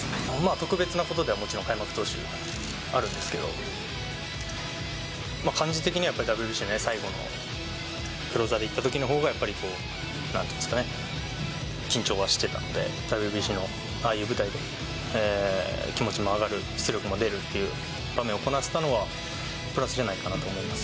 特別なことではもちろん、開幕投手、あるんですけど、感じ的には、ＷＢＣ最後のクローザーで行ったときのほうが、やっぱりこう、なんていうんですかね、緊張はしてたんで、ＷＢＣのああいう舞台で、気持ちも上がる、出力も出るっていう場面をこなせたのは、プラスじゃないかなと思います。